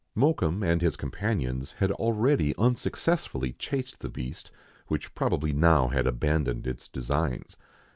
Mokoum and his companions had already unsuccessfully chased the beast, which probably now had abandoned its designs.